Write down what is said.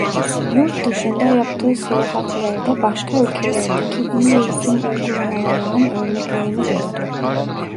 Yurt dışında yaptığı seyahatlerde başka ülkelerdeki iyi eğitim uygulamalarının örneklerini gördü.